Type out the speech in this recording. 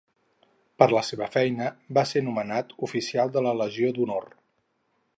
Per la seva feina, va ser nomenat Oficial de la Legió d'Honor.